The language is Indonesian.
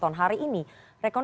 oke salam sehat